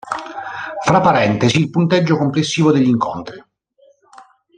Fra parentesi, il punteggio complessivo degli incontri.